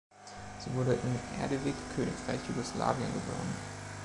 Sie wurde in Erdevik, Königreich Jugoslawien, geboren.